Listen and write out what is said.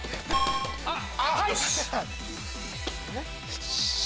よし！